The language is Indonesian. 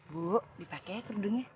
bu dipake ya kerudungnya